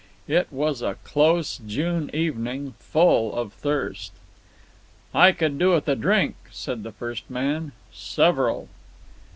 It was a close June evening, full of thirst. "I could do with a drink," said the first man. "Several."